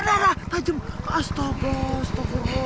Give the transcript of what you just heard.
ada ada tajam astaga astaga